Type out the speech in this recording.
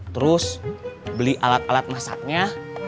terus beli alat alat masaknya